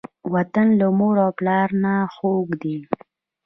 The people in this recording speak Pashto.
وطن له مور او پلاره خووږ دی.